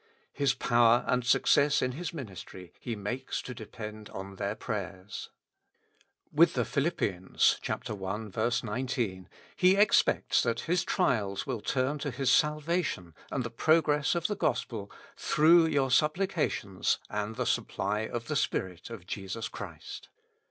His power and success in his min istry he makes to depend on their prayers. With the Philippians (i. 19) he expects that his trials will turn to his salvation and the progress of the gospel ^'through your supplications and the supply of the Spirit of Jesus Christ."